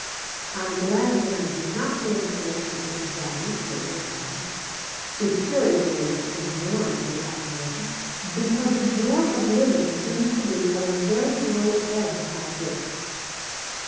'" "I am glad that I do not live in the Mississippi Valley," Kate went on, superiorly ignoring the observation, "because the joy of living seems to be at a very low ebb out here."